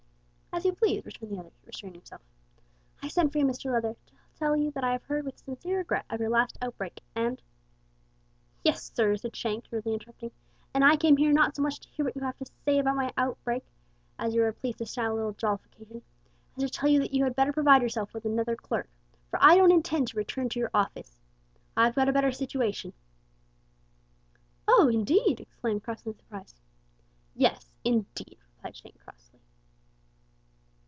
"As you please," returned the other, restraining himself. "I sent for you, Mr Leather, to tell you that I have heard with sincere regret of your last outbreak, and " "Yes, sir," said Shank, rudely interrupting, "and I came here not so much to hear what you have to say about my outbreak as you are pleased to style a little jollification as to tell you that you had better provide yourself with another clerk, for I don't intend to return to your office. I've got a better situation." "Oh, indeed!" exclaimed Crossley in surprise. "Yes, indeed," replied Shank insolently.